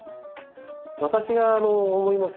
私が思います